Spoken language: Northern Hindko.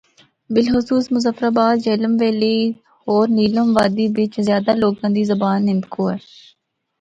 بلخصوص مظفرٓاباد، جہلم ویلی ہور نیلم وادی بچ زیادہ لوگاں دی زبان ہندکو ہے۔